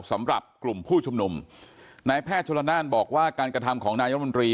สำหรับกลุ่มผู้ชุมนุมนายแพทย์ชนละนานบอกว่าการกระทำของนายรัฐมนตรี